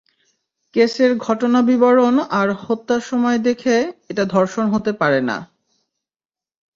কেসের ঘটনা বিবরণ আর হত্যার সময় দেখে, এটা ধর্ষণ হতে পারে না।